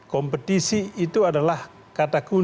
kompetisi itu adalah kata kunci